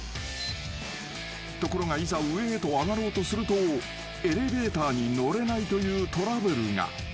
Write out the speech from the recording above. ［ところがいざ上へと上がろうとするとエレベーターに乗れないというトラブルが］